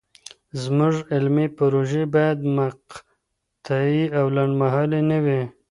زموږ علمي پروژې باید مقطعي او لنډمهالې نه وي.